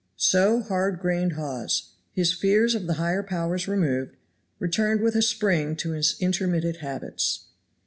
So hard grained Hawes, his fears of the higher powers removed, returned with a spring to his intermitted habits.